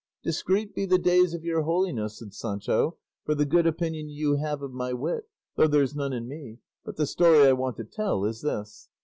"Discreet be the days of your holiness," said Sancho, "for the good opinion you have of my wit, though there's none in me; but the story I want to tell is this.